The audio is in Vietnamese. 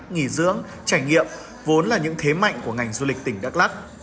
nghỉ dưỡng trải nghiệm vốn là những thế mạnh của ngành du lịch tỉnh đắk lắc